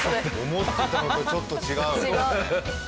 思ってたのとちょっと違う。